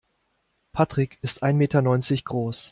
Patrick ist ein Meter neunzig groß.